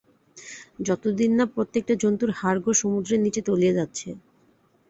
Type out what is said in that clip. যতদিন না প্রত্যেকটা জন্তুর হাড়-গোড় সমুদ্রের নিচে তলিয়ে যাচ্ছে!